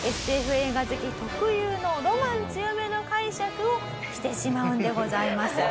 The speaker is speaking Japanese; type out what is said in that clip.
映画好き特有のロマン強めの解釈をしてしまうんでございます。